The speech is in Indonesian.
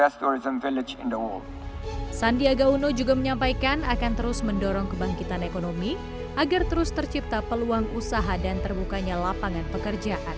sandiaga uno juga menyampaikan akan terus mendorong kebangkitan ekonomi agar terus tercipta peluang usaha dan terbukanya lapangan pekerjaan